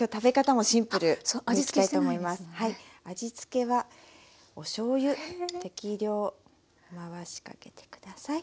味付けはおしょうゆ適量回しかけて下さい。